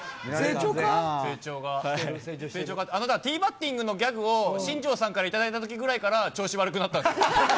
あのティーバッティングのギャグを、新庄さんから頂いたときぐらいから、調子悪くなったんですよ。